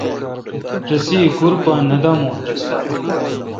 رسی ایکور پہ نہ دامون رس دا۔